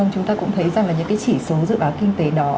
chúng ta cũng thấy rằng là những cái chỉ số dự báo kinh tế đó